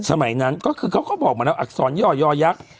สมัยนั้นก็คือเขาก็บอกมาแล้วอักษรย่อย่อยักษ์